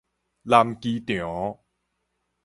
南機場